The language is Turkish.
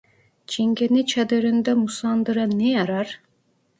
Çingene çadırında musandıra ne arar?